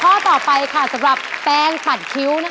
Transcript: ข้อต่อไปค่ะสำหรับแป้งปัดคิ้ว